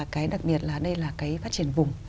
cái đặc biệt là đây là cái phát triển vùng